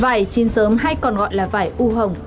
vải chín sớm hay còn gọi là vải chín sớm